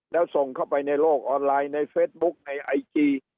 แล้วส่งเข้าไปในโลกออนไลน์ในเฟซบุ๊คในไอจี